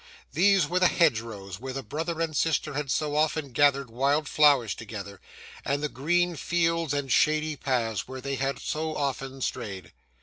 There were the hedgerows where the brother and sister had so often gathered wild flowers together, and the green fields and shady paths where they had so often strayed.